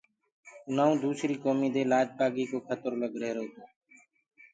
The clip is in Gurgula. اُنآئونٚ دوٚسريٚ ڪوُميٚ دي لآج پآگي ڪو کتررو لَگ ريهرو تو۔